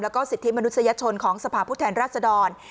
แล้วก็สิทธิมนุษยชนของสภาพผู้แทนราชดร